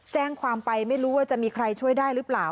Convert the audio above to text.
แจ้งความไปไม่รู้ว่าจะมีใครช่วยได้หรือเปล่า